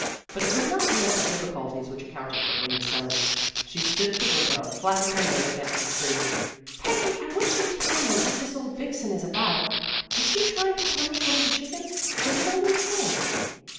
But it was not domestic difficulties which accounted for Amy's summons. She stood at the window, flattening her nose against the screen. "Peggy, I wish you'd tell me what this old vixen is about. Is she trying to punish one of the chickens, or is it only a game?"